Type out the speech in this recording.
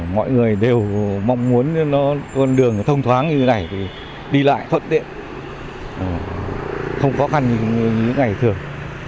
mọi người đều mong muốn con đường thông thoáng như thế này đi lại thuận tiện không khó khăn như ngày thường